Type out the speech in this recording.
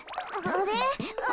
あれ？